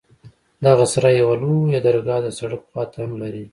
دغه سراى يوه لويه درګاه د سړک خوا ته هم لري.